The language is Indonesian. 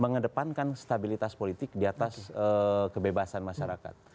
mengedepankan stabilitas politik di atas kebebasan masyarakat